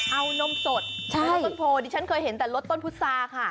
เอานมสดเอาต้นโพดิฉันเคยเห็นแต่รสต้นพุษาค่ะ